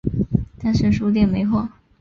但是书店没货